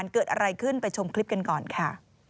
เกิดอะไรขึ้นไปชมคลิปกันก่อนค่ะ